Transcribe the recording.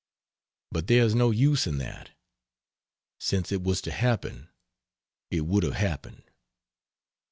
But there is no use in that. Since it was to happen it would have happened.